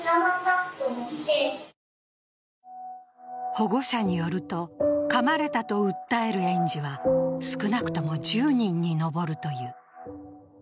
保護者によるとかまれたと訴える園児は少なくとも１０人に上るという。